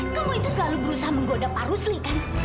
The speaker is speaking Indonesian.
kamu itu selalu berusaha menggoda pak rusli kan